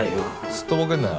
すっとぼけるなよ。